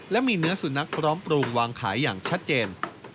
และมีเนื้อสุนัขพร้อมปรุงวางขายอย่างชัดเจน